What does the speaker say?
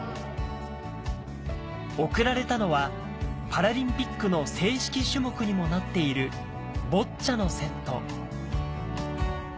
贈られたのはパラリンピックの正式種目にもなっているボッチャのセット